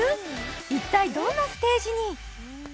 一体どんなステージに？